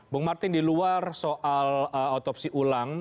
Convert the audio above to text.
bung martin di luar soal otopsi ulang